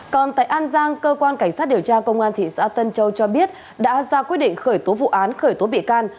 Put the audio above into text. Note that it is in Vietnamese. còn tại an giang cơ quan cảnh sát điều tra công an thị xã tân châu cho biết đã ra quyết định khởi tố vụ án khởi tố bị can